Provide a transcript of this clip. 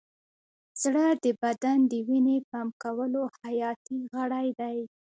زړه د بدن د وینې پمپ کولو حیاتي غړی دی.